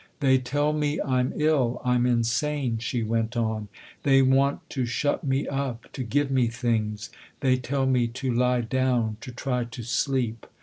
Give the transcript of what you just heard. " They tell me I'm ill, I'm insane," she went on "they want to shut me up, to give me things they tell me to lie down, to try to sleep.